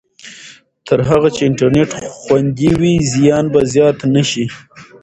تر هغه چې انټرنېټ خوندي وي، زیان به زیات نه شي.